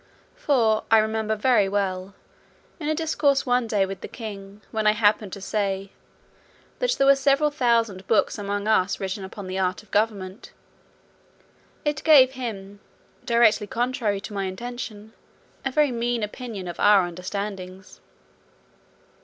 For, I remember very well, in a discourse one day with the king, when I happened to say, "there were several thousand books among us written upon the art of government," it gave him (directly contrary to my intention) a very mean opinion of our understandings.